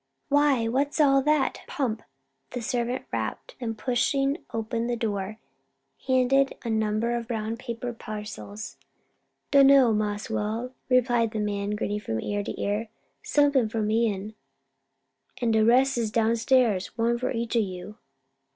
Why, what's all that, Pomp?" as the servant rapped, then pushing open the door, handed in a number of brown paper parcels. "Dunno, Mars Wal," replied the man grinning from ear to ear; "somethin' from Ion, an de rest's down stairs; one for each ob you."